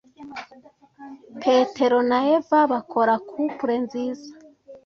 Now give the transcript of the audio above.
Petero na Eva bakora couple nziza.